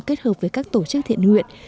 kết hợp với các tổ chức thiện nguyện